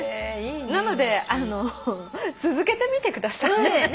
なのであの続けてみてください。